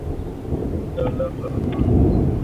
که اتومات فیوز شارټ سرکټ له برېښنا څخه ګل نه کړای شي.